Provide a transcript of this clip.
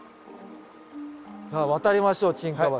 さあ渡りましょう沈下橋。